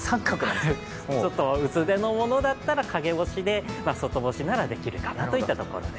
ちょっと薄手のものだったら陰干しで外干しならできるかなといった感じです。